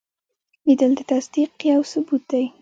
لیدل د تصدیق یو ثبوت دی